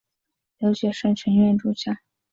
留学生全员住校。